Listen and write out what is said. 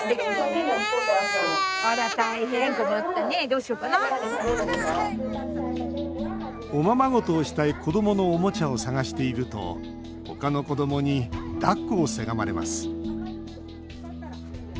しかしおままごとをしたい子どものおもちゃを探していると他の子どもにだっこをせがまれます。